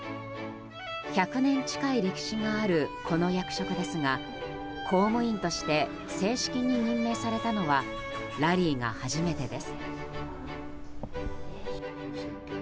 １００年近い歴史のあるこの役職ですが公務員として正式に任命されたのはラリーが初めてです。